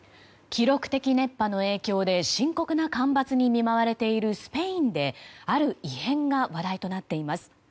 記録的熱波の影響で深刻な干ばつに見舞われているスペインである異変が話題となっています。